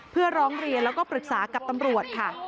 เพื่อร้องเรียนแล้วก็ปรึกษากับตำรวจค่ะ